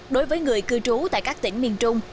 đối với người cư trú tại các tỉnh miền trung